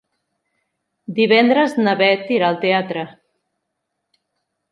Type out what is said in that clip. Divendres na Bet irà al teatre.